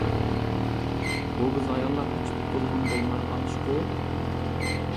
بۇ بىز ئاياللار قېچىپ قۇتۇلغىنى بولمايدىغان ئىشقۇ.